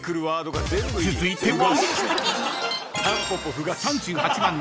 ［続いては］